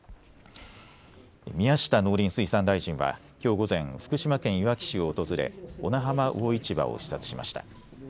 宮下農林水産大臣はきょう午前、福島県いわき市を訪れ小名浜魚市場を視察しました。